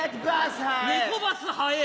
ネコバス速えぇ。